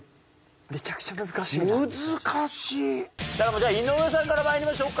じゃあ井上さんから参りましょうか。